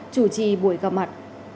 chủ trì buổi gặp mặt